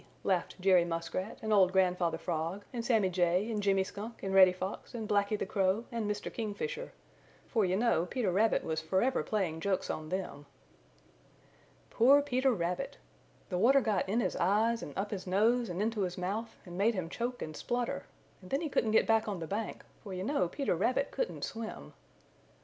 laughed Jerry Muskrat and old Grandfather Frog and Sammy Jay and Jimmy Skunk and Reddy Fox and Blacky the Crow and Mr. Kingfisher, for you know Peter Rabbit was forever playing jokes on them. Poor Peter Rabbit! The water got in his eyes and up his nose and into his mouth and made him choke and splutter, and then he couldn't get back on the bank, for you know Peter Rabbit couldn't swim.